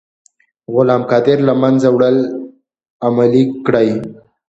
غلام قادر له منځه وړل عملي کړئ.